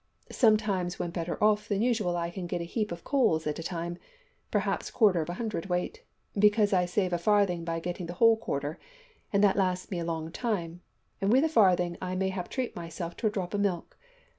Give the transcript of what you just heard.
Sometimes when better off than usual I get a heap of coals at a time, perhaps quarter of a hundredweight, because I save a farthing by getting the whole quarter, an' that lasts me a long time, and wi' the farthing I mayhap treat myself to a drop o' milk.